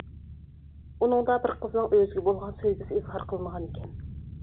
ئۇنىڭدا بىر قىزنىڭ ئۆزىگە بولغان سۆيگۈسى ئىزھار قىلىنغانىكەن.